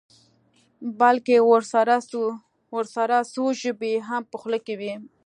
بلکې ورسره څو ژبې یې هم په خوله کې وي.